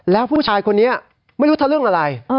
แล้วผู้ชายคนนี้ไม่รู้ทะเรื่องอะไร